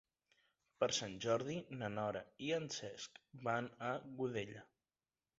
Per Sant Jordi na Nora i en Cesc van a Godella.